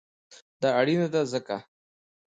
دا اړینه ده ځکه: